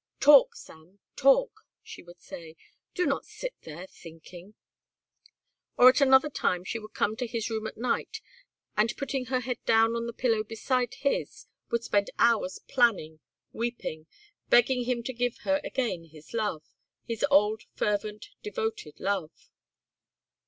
"Talk, Sam; talk," she would say; "do not sit there thinking." Or at another time she would come to his room at night and putting her head down on the pillow beside his would spend hours planning, weeping, begging him to give her again his love, his old fervent, devoted love.